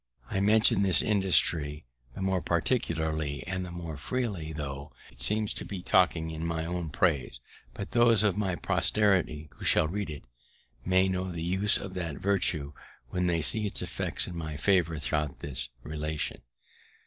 I mention this industry the more particularly and the more freely, tho' it seems to be talking in my own praise, that those of my posterity, who shall read it, may know the use of that virtue, when they see its effects in my favour throughout this relation.